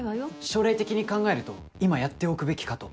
将来的に考えると今やっておくべきかと。